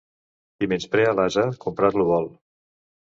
Qui menysprea l'ase, comprar-lo vol.